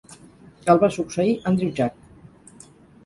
El va succeir Andrew Jack.